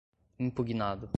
impugnado